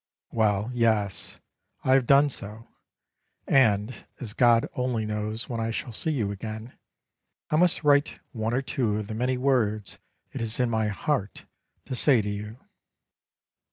Well, yes, I have done so; and, as God only knows when I shall see you again, I must write one or two of the many words it is in my heart to say to you.